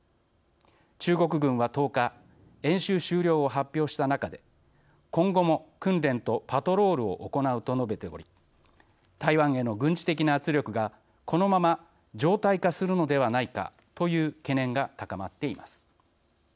中国軍は１０日演習終了を発表した中で「今後も訓練とパトロールを行う」と述べており台湾への軍事的な圧力がこのまま常態化するのではないかという懸念が高まっています。